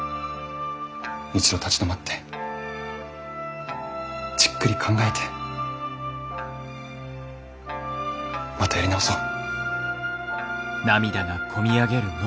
一度立ち止まってじっくり考えてまたやり直そう。